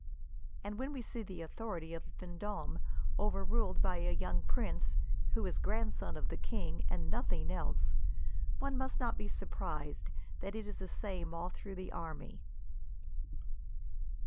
And when we see the authority of Vendome overruled by a young prince, who is grandson of the king, and nothing else, one must not be surprised that it is the same all through the army."